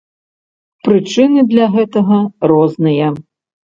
Прычыны для гэтага розныя.